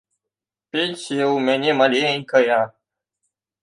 Пенсія ў мяне маленькая.